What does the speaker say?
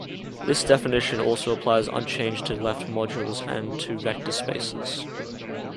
This definition also applies unchanged to left modules and to vector spaces.